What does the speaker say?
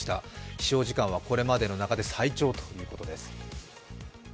飛しょう時間はこれまでの中で最長ということです。